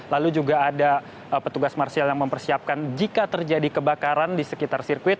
lalu juga ada petugas marsial yang mempersiapkan jika terjadi kebakaran di sekitar sirkuit